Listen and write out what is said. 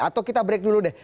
atau kita break dulu deh